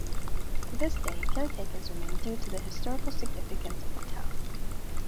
To this day, caretakers remain due to the historical significance of the town.